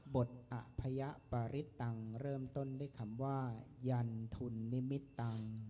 บทอภยปริตังเริ่มต้นด้วยคำว่ายันทุนนิมิตตัง